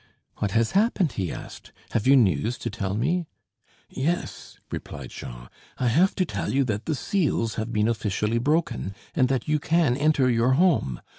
"What has happened?" he asked; "have you news to tell me?" "Yes," replied Jean; "I have to tell you that the seals have been officially broken and that you can enter your home.